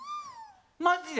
マジで！？